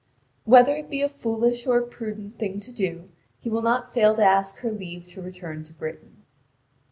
Whether it be a foolish or a prudent thing to do, he will not fail to ask her leave to return to Britain.